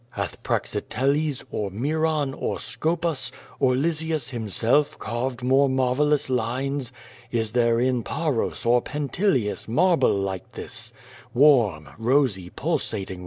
Hath Praxiteles, or Miron, or Scopes, or Lysias hims<*lf carved more marvellous lines? Is there in Pares or in Pentelius marble like this — warm, rosy, pulsating QUO VADIS.